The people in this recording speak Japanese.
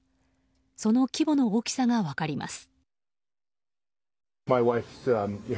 その規模の大きさが分かります。